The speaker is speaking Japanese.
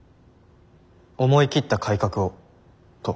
思い切った改革をと。